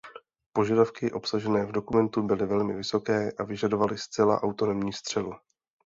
Požadavky obsažené v dokumentu byly velmi vysoké a vyžadovaly zcela autonomní střelu.